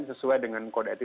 sesuai dengan kode etik